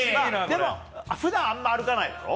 でも、ふだん、あんま歩かない？